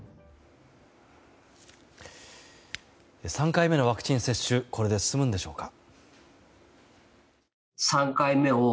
３回目のワクチン接種これで進むんでしょうか。